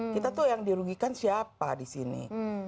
kita tuh yang dirugikan siapa di sini